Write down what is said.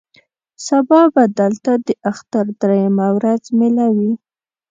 سبا به دلته د اختر درېیمه ورځ مېله وي.